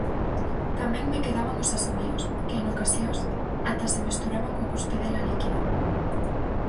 Tamén me quedaban os asubíos, que en ocasións ata se mesturaban coa cuspidela líquida.